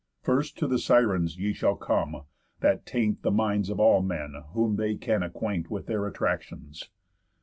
First to the Sirens ye shall come, that taint The minds of all men whom they can acquaint With their attractions.